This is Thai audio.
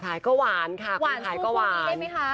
ทานก็หวานค่ะคนทานก็หวาน